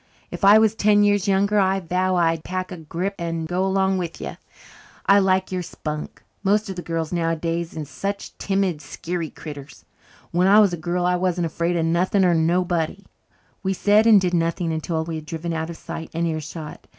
If I was ten years younger I vow I'd pack a grip and go along with you. I like your spunk. Most of the girls nowadays is such timid, skeery critters. When I was a girl I wasn't afraid of nothing or nobody." We said and did nothing until we had driven out of sight and earshot.